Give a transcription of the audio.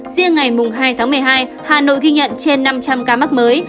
riêng ngày hai tháng một mươi hai hà nội ghi nhận trên năm trăm linh ca mắc mới